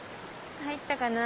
入ったかな？